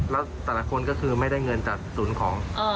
แล้วแต่ละคนก็คือไม่ได้เงินจากศูนย์ของ